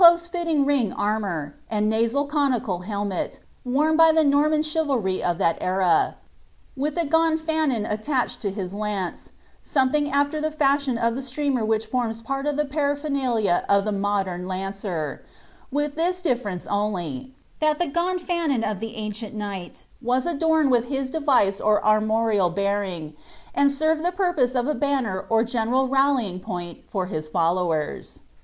There is in the same group the figure of a knight armed cap d pi^, in the close fitting ring armour, and nasal conical helmet, worn by the Norman chivalry of that era, with a gonfanon attached to his lance, something afler the &shion of the streamer which forms part of the paraphernalia of the modem lancer, with this difierence only, that the gonfanon of the ancient knight was adorned with his device or armorial baring, and served the purpose of a banner or general ral lying point for his followers.